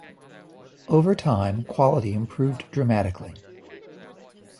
Over time quality improved dramatically.